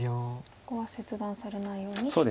ここは切断されないようにしっかりと。